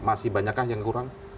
masih banyakkah yang kurang